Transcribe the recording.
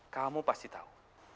kamu pasti tahu